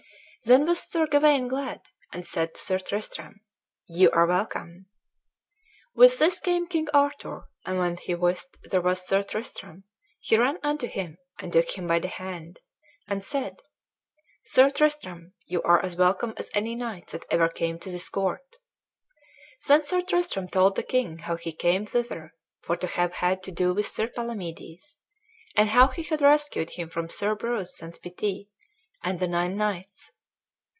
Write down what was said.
Then was Sir Gawain glad, and said to Sir Tristram, "Ye are welcome." With this came King Arthur, and when he wist there was Sir Tristram, he ran unto him, and took him by the hand, and said, "Sir Tristram, ye are as welcome as any knight that ever came to this court." Then Sir Tristram told the king how he came thither for to have had to do with Sir Palamedes, and how he had rescued him from Sir Breuse sans Pitie and the nine knights.